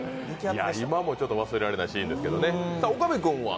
今も忘れられないシーンですけどね。